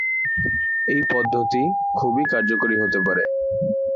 এই পদ্ধতি খুবই কার্যকরী হতে পারে।